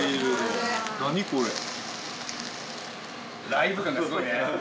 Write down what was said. ライブ感がすごいね。